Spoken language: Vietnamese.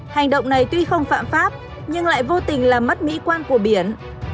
hành động này tuy không phạm pháp nhưng lại vô tình làm mất mỹ quan của biển